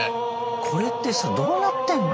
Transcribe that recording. これってさどうなってんの？